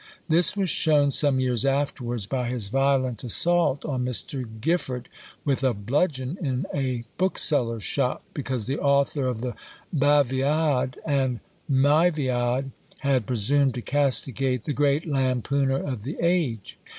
This was shown some years afterwards by his violent assault on Mr. Gifford, with a bludgeon, in a bookseller's shop, because the author of the "Baviad and Mæviad" had presumed to castigate the great lampooner of the age.